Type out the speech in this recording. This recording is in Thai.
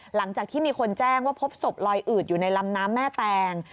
หลังจากที่มีคนแจ้งว่าพบศพลอยอืดอยู่ในลำน้ำแม่แตง